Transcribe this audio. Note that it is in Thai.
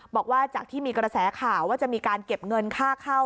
บอกว่าจากที่มีกระแสข่าวว่าจะมีการเก็บเงินค่าเข้า